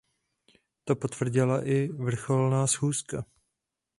To potvrdila i vrcholná schůzka.